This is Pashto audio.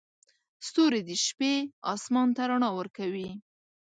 ستوري د شپې اسمان ته رڼا ورکوي.